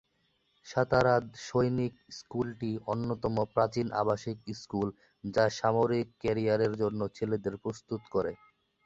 সাতারা সৈনিক স্কুলটি অন্যতম প্রাচীন আবাসিক স্কুল যা সামরিক ক্যারিয়ারের জন্য ছেলেদের প্রস্তুত করে।